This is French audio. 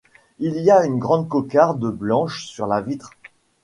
Il y a une grande cocarde blanche sur la vitre.